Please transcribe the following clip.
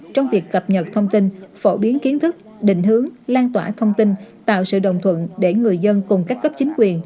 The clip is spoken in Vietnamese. trong việc cập nhật thông tin phổ biến kiến thức định hướng lan tỏa thông tin tạo sự đồng thuận để người dân cùng các cấp chính quyền